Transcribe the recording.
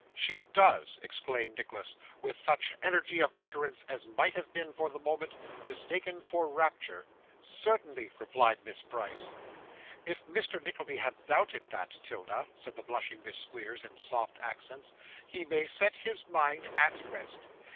'She does!' exclaimed Nicholas with such energy of utterance as might have been, for the moment, mistaken for rapture. 'Certainly,' replied Miss Price 'If Mr. Nickleby has doubted that, 'Tilda,' said the blushing Miss Squeers in soft accents, 'he may set his mind at rest.